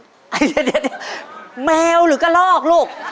เดี๋ยวแมวหรือกระลอกลูก